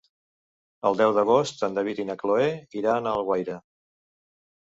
El deu d'agost en David i na Cloè iran a Alguaire.